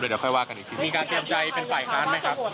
ก็ขอเวลาให้สภาได้อาจจะต้องมีการทำความเข้าใจกับสิ่งที่เกิดขึ้นในวันนี้ตะกร